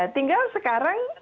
tinggal sekarang dikabungkan